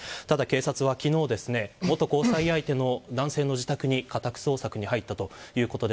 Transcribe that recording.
ただ、警察は昨日、元交際相手の男性の自宅に家宅捜索に入ったということです。